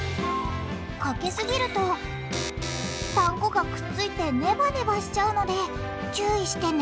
かけすぎるとパン粉がくっついてネバネバしちゃうので注意してね